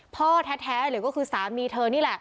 พ่อแท้หรือก็คือสามีเธอนี่แหละ